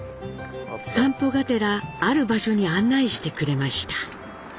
散歩がてらある場所に案内してくれました。